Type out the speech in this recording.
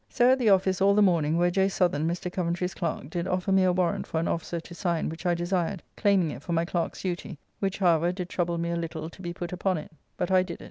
So at the office all the morning, where J. Southern, Mr. Coventry's clerk, did offer me a warrant for an officer to sign which I desired, claiming it for my clerk's duty, which however did trouble me a little to be put upon it, but I did it.